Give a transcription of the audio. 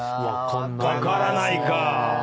分からないか。